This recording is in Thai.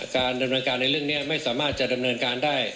การดำเนินการในเรื่องนี้ไม่สามารถจะดำเนินการได้